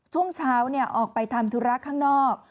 ช่วงเช้าออกไปทำธุระข้างนอก